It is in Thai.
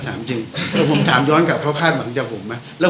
ถามจริงก็คุณสามย้อนกลับเขาคาดหมังกับผมมาแล้ว